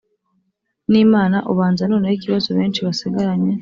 n Imana ubanza noneho ikibazo benshi basigaranye